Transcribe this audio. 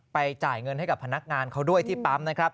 จ่ายเงินให้กับพนักงานเขาด้วยที่ปั๊มนะครับ